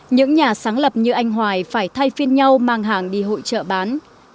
những nhà sáng lập như anh hoài phải thay phiên nhau mang hàng đi hội trợ bán